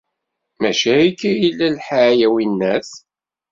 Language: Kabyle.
Mačči akka i yella lḥal, a winnat?